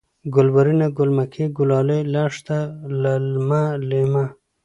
گلورينه ، گل مکۍ ، گلالۍ ، لښته ، للمه ، لېمه